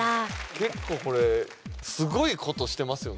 結構これすごいことしてますよね